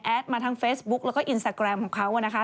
มาทั้งเฟซบุ๊กแล้วก็อินสตาแกรมของเขานะคะ